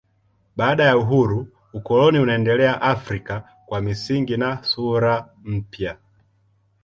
Baada ya uhuru ukoloni unaendelea Afrika kwa misingi na sura mpya.